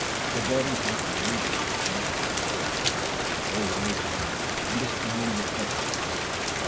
The body hath nine gates and a tenth door ; O wise man, understand and reflect on this.